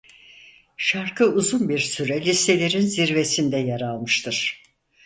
Şarkı uzun bir süre listelerin zirvesinde yer almıştır.